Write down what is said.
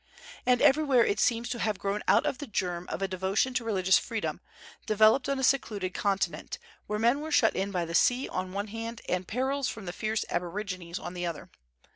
And everywhere it seems to have grown out of the germ of a devotion to religious freedom, developed on a secluded continent, where men were shut in by the sea on the one hand, and perils from the fierce aborigines on the other.